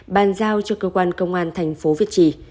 bàn giao cho cơ quan công an thành phố việt trì